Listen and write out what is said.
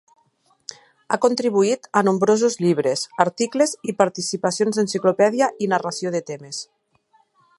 Ha contribuït a nombrosos llibres, articles i participacions d'enciclopèdia i narració de temes.